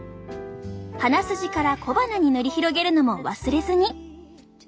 鼻筋から小鼻に塗り広げるのも忘れずに。